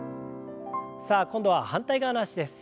さあ今度は反対側の脚です。